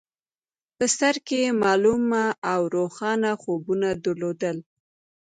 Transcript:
په سر کې يې معلوم او روښانه خوبونه درلودل.